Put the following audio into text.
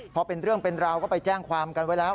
พอเป็นเรื่องเป็นราวก็ไปแจ้งความกันไว้แล้ว